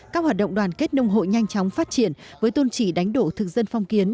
các hoạt động đoàn kết nông hội nhanh chóng phát triển với tôn trị đánh đổ thực dân phong kiến